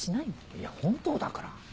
いや本当だから。